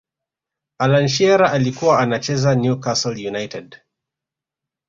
allan shearer alikuwa anacheza new castle united